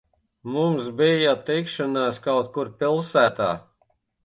Mums bija tikšanās kaut kur pilsētā.